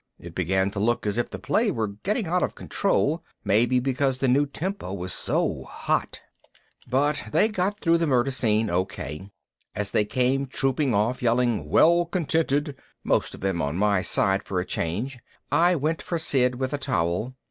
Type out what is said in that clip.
It began to look as if the play were getting out of control, maybe because the new tempo was so hot. But they got through the Murder Scene okay. As they came trooping off, yelling "Well contented," most of them on my side for a change, I went for Sid with a towel.